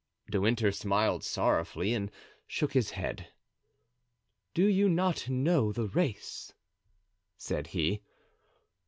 De Winter smiled sorrowfully and shook his head. "Do you not know the race?" said he.